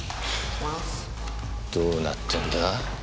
はぁどうなってんだ？